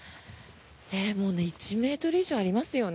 １ｍ以上ありますよね。